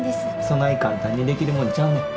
そない簡単にできるもんちゃうねん。